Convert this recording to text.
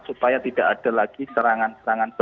supaya tidak ada lagi serangan serangan